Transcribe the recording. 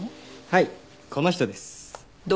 はいこの人です。